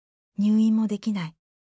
入院もできない。